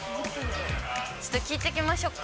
ちょっと聞いてきましょうか。